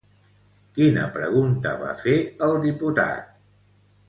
Quina pregunta va fer el diputat?